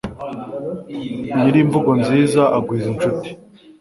nyir'imvugo nziza agwiza incuti